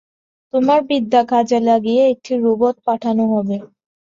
তোমার বিদ্যা কাজে লাগিয়ে একটি রোবট পাঠানো হবে।